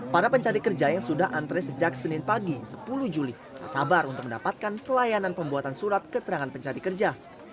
para pencari kerja yang sudah antre sejak senin pagi sepuluh juli tak sabar untuk mendapatkan pelayanan pembuatan surat keterangan pencari kerja